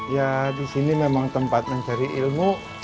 ya disini memang tempat mencari ilmu